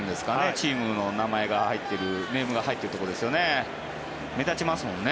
チームの名前が入っているネームが入っているところですね目立ちますもんね。